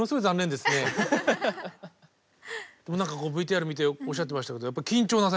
でも何かこうＶＴＲ見ておっしゃってましたけどいや